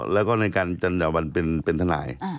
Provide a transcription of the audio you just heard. แล้วก็ในการจัญญาวันเป็นทนาย